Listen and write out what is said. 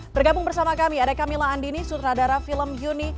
bergabung bersama kami ada camilla andini sutradara film juni